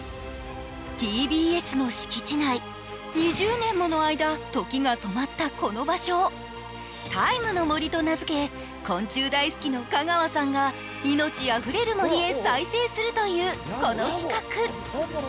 ＴＢＳの敷地内、２０年もの間、時が止まったこの場所を「ＴＩＭＥの森」、昆虫大好きの香川さんが命あふれる森へ再生するというこの企画。